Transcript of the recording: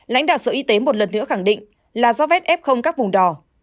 lãnh đạo sở y tế một lần nữa khẳng định là do vết f các vùng đỏ